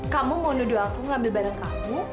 kamu mau nuduh aku ngambil barang kamu